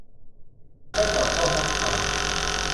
ได้ตอบข้อสักถาม